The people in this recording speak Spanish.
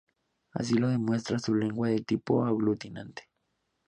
Así lo demuestra su lengua de tipo aglutinante.